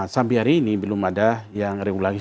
sampai hari ini belum ada yang regulasi